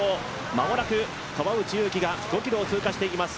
間もなく、川内優輝が５ｋｍを通過していきます。